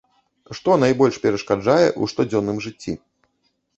Што найбольш перашкаджае ў штодзённым жыцці?